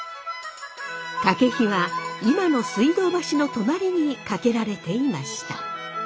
掛は今の水道橋の隣にかけられていました。